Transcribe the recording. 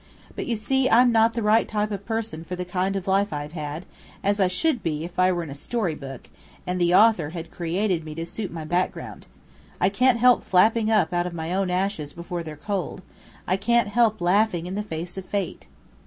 But you see I'm not the right type of person for the kind of life I've had, as I should be if I were in a story book, and the author had created me to suit my background. I can't help flapping up out of my own ashes before they're cold. I can't help laughing in the face of fate."